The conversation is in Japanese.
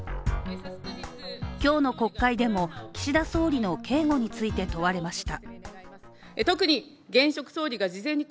今日の国会でも岸田総理の警護について問われました。